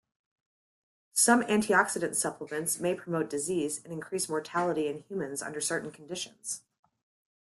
Some antioxidant supplements may promote disease and increase mortality in humans under certain conditions.